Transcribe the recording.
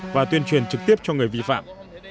và tuyên truyền trực tiếp cho người bị phạm